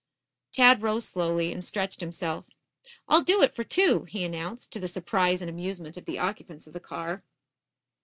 Tad rose slowly and stretched himself. "I'll do it for two," he announced, to the surprise and amusement of the occupants of the car.